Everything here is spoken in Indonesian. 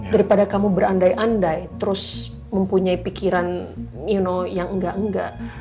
daripada kamu berandai andai terus mempunyai pikiran yono yang enggak enggak